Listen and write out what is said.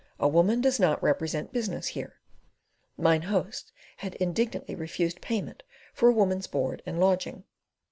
A woman does not represent business here." Mine Host had indignantly refused payment for a woman's board and lodging.